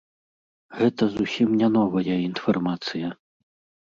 Гэта зусім не новая інфармацыя.